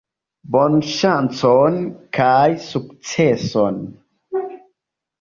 Bonŝancon kaj sukceson!